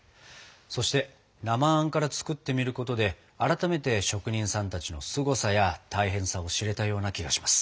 そして生あんから作ってみることで改めて職人さんたちのすごさや大変さを知れたような気がします。